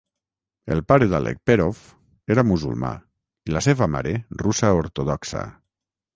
El pare d'Alekperov era musulmà i la seva mare, russa ortodoxa.